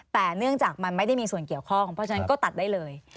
แต่เนื่องจากมันไม่ได้มีส่วนเกี่ยวข้องเพราะฉะนั้นก็ตัดได้เลย